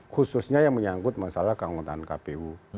khususnya yang menyangkut masalah keanggotaan kpu